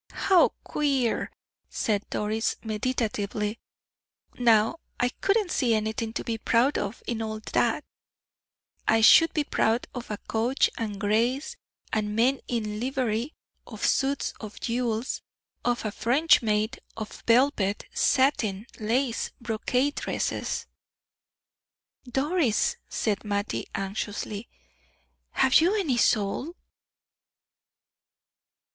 "How queer!" said Doris, meditatively. "Now, I couldn't see anything to be proud of in all that. I should be proud of a coach and grays, and men in livery of suits of jewels, of a French maid, of velvet, satin, lace, brocade dresses." "Doris," said Mattie, anxiously, "have you any soul?"